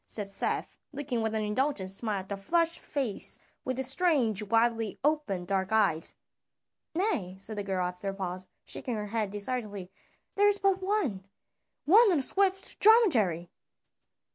said Seth, looking with an indulgent smile at the flushed face with its strange widely opened dark eyes. "Nay," said the girl after a pause, shaking her head decidedly; "there is but one one on a swift dromedary."